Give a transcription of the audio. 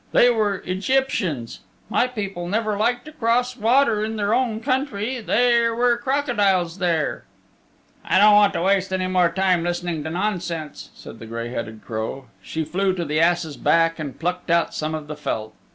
They were Egyptians. My people never liked to cross water in their own country. There were crocodiles there." "I don't want to waste any more time listening to nonsense," said the gray headed crow. She flew to the ass's back and plucked out some of the felt.